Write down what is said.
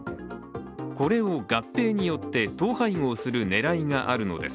これを合併によって統廃合する狙いがあるのです。